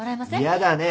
嫌だね。